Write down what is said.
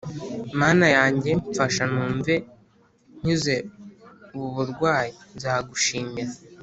mana yanjye mfasha numve nkize ubu burwayi nzagushimira